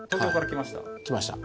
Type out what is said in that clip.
来ました。